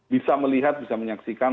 bisa melihat bisa menyaksikan